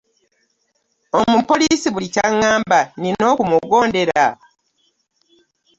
Omupoliisi buli kyangamba nina okumugondera?